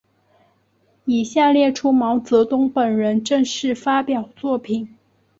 以下列出毛泽东本人正式发表作品。